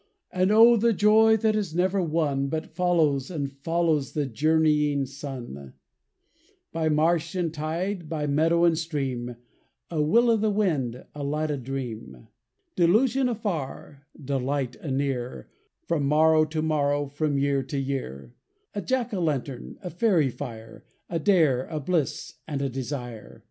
And O the joy that is never won, But follows and follows the journeying sun, By marsh and tide, by meadow and stream, A will o' the wind, a light o' dream, Delusion afar, delight anear, From morrow to morrow, from year to year, A jack o' lantern, a fairy fire, A dare, a bliss, and a desire!